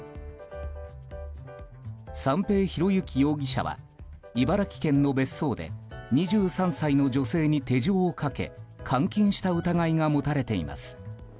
三瓶博幸容疑者は茨城県の別荘で２３歳の女性に手錠をかけ監禁した疑いが持たれています。